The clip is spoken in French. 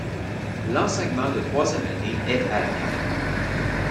L'enseignement de troisième année est à la carte.